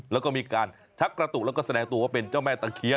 แล้วก็มีการชักกระตุกแล้วก็แสดงตัวว่าเป็นเจ้าแม่ตะเคียน